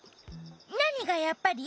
なにが「やっぱり」？